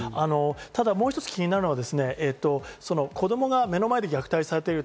ただ、もう一つ気になるのは子供が目の前で虐待されている。